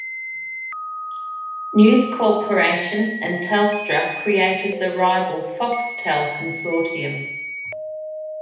News Corporation and Telstra created the rival Foxtel consortium.